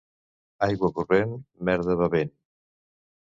Aigua corrent, merda bevent.